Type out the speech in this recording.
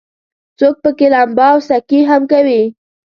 څوک پکې لمبا او سکي هم کوي.